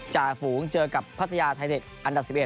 จ่าฝูงเจอกับพัทยาไทเทคอันดับ๑๑